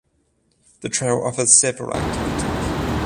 The trail offers several activities.